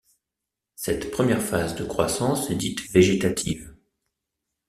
Cette première phase de croissance est dite végétative.